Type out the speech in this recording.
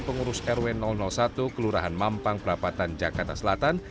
pengurus rw satu kelurahan mampang perapatan jakarta selatan